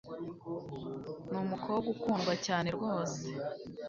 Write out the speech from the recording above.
Numukobwa ukundwa cyane rwose.